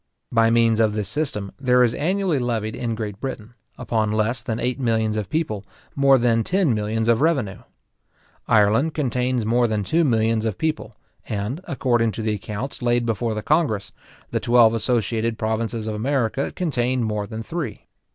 By means of this system, there is annually levied in Great Britain, upon less than eight millions of people, more than ten millions of revenue. Ireland contains more than two millions of people, and, according to the accounts laid before the congress, the twelve associated provinces of America contain more than three.